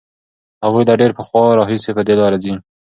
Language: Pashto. هغوی له ډېر پخوا راهیسې په دې لاره ځي.